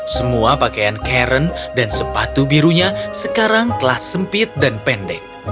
semua pakaian karen dan sepatu birunya sekarang telah sempit dan pendek